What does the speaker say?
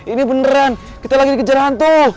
ini beneran kita lagi dikejar hantu